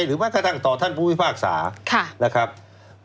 หรือแม้กระทั่งต่อท่านภูมิภาคศาสตร์